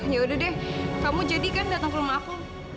yaudah deh kamu jadi kan datang ke rumah aku